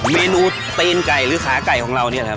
เมนูตีนไก่หรือขาไก่ของเรานี่แหละครับ